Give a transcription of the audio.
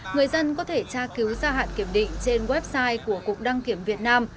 người dân có thể tra cứu gia hạn kiểm định trên website của cục đăng kiểm việt nam